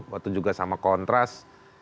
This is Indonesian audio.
waktu juga sama kontras